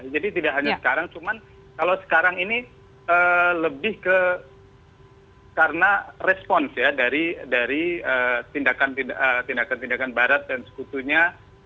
jadi tidak hanya sekarang cuma kalau sekarang ini lebih ke karena respons ya dari tindakan tindakan barat dan sebetulnya